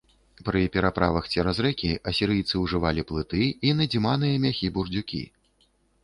Пры пераправах цераз рэкі асірыйцы ўжывалі плыты і надзіманыя мяхі-бурдзюкі.